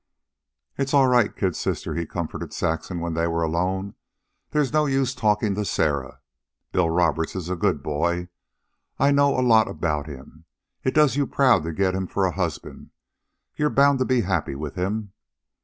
"It's all right, kid sister," he comforted Saxon when they were alone. "There's no use talkin' to Sarah. Bill Roberts is a good boy. I know a lot about him. It does you proud to get him for a husband. You're bound to be happy with him..."